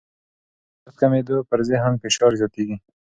وروسته د درد کمېدو، پر ذهن فشار زیاتېږي.